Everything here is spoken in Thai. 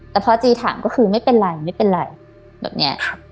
แต่พอจีถามก็คือไม่เป็นไรไม่เป็นไรแบบเนี้ยครับ